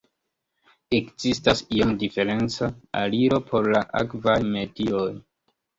Ekzistas iom diferenca aliro por la akvaj medioj.